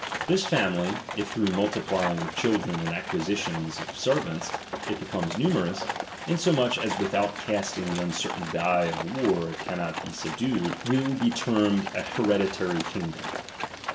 Thin family, if through ^t.^^^™" B Diultiplying of children and acquisition of servants '■" go'emiuB it becomes numerous, insomuch as without casting tlie uncertain die of war it cannot be subdued, will I 122 DOMINION. CHAP. IX. be termed an hereditary kingdom.